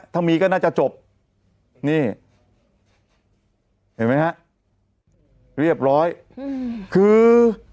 ถ้ามีก็น่าจะจบนี่เห็นไหมฮะเรียบร้อยคือ